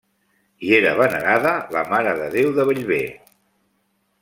Hi era venerada la Mare de Déu de Bellver.